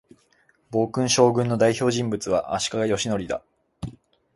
暴君将軍の代表人物は、足利義教だ